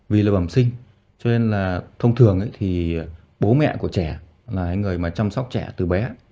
vì là bẩm sinh cho nên là thông thường thì bố mẹ của trẻ là người mà chăm sóc trẻ từ bé